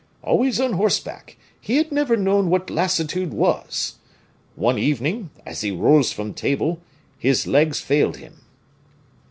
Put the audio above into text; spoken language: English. Always on horseback, he had never known what lassitude was. One evening, as he rose from table, his legs failed him."